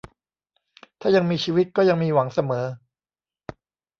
ถ้ายังมีชีวิตก็ยังมีหวังเสมอ